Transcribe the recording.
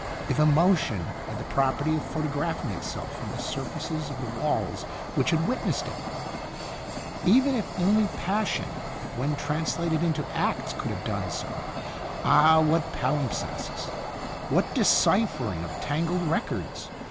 If emotion had the property of photographing itself on the surfaces of the walls which had witnessed it ! Even if only passion, when translated into acts, could have done so ! Ah, what palimpsests! What deciphering of tangled records!